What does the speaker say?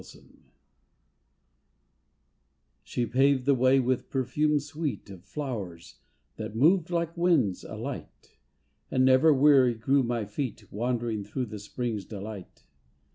YOUTH She paved the way with perfume sweet Of flowers that moved Hke winds alight, And never weary grew my feet Wandering through the spring's delight.